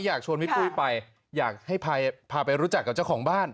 อยากชวนพัยพาไปรู้จักกับเจ้าของบ้าน